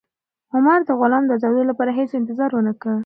عمر د غلام د ازادولو لپاره هېڅ انتظار ونه کړ.